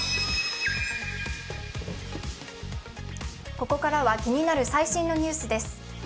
ここからは気になる最新のニュースです。